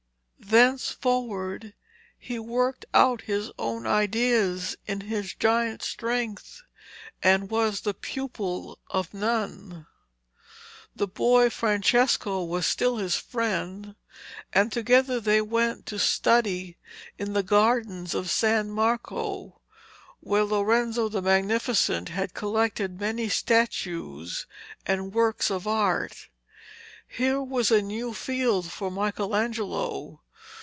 Thenceforward he worked out his own ideas in his giant strength, and was the pupil of none. The boy Francesco was still his friend, and together they went to study in the gardens of San Marco, where Lorenzo the Magnificent had collected many statues and works of art. Here was a new field for Michelangelo.